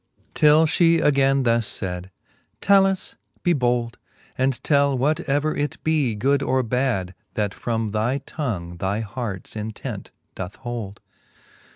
X. Till fhe againe thus fayd ; Talus ^ be bold, And tell whatever it be, good or bad. That from thy tongue thy hearts intent doth hold.